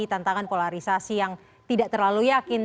tantangan polarisasi yang tidak terlalu yakin